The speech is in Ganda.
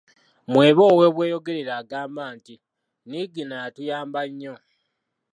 Mwebe ow’e Bweyogerere agamba nti, ‘‘Niigiina yatuyamba nnyo."